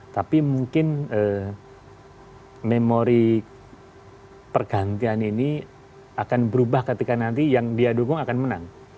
tapi mungkin memori pergantian ini akan berubah ketika nanti yang dia dukung akan menang